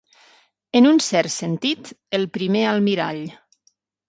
En un cert sentit, el primer almirall.